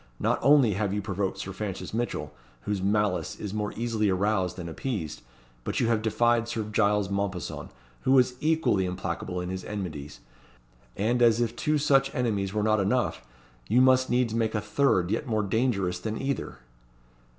Not only have you provoked Sir Francis Mitchell, whose malice is more easily aroused than appeased, but you have defied Sir Giles Mompesson, who is equally implacable in his enmities; and as if two such enemies were not enough, you must needs make a third, yet more dangerous than either."